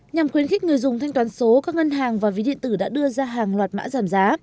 nhằm khuyến khích người dùng thanh toán số các ngân hàng và ví điện tử đã đưa ra hàng loạt mã giảm giá